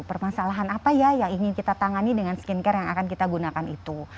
permasalahan apa ya yang ingin kita tangani dengan skincare yang akan kita gunakan itu